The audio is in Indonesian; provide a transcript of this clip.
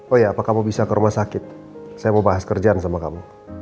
oh ya apa kamu bisa ke rumah sakit saya mau bahas kerjaan sama kamu